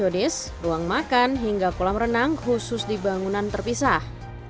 kondisi ruang makan hingga kolam renang khusus di bangunan terpisah